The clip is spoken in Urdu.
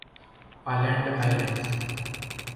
Aland islands